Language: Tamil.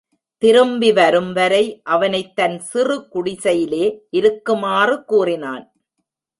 திரும்பி வரும்வரை அவனைத் தன் சிறுகுடிசையிலே இருக்குமாறு கூறினான்.